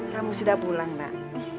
kamu sudah pulang mbak